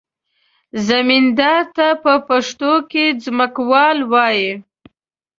زمیندار ته په پښتو کې ځمکوال وایي.